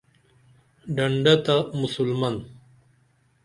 ڈنڈہ تہ مُسُلمن